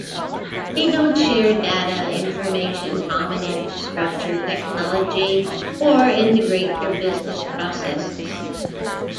They don't share data, information, common infrastructure, technology or integrate their business processes.